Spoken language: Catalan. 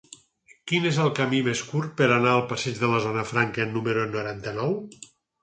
Quin és el camí més curt per anar al passeig de la Zona Franca número noranta-nou?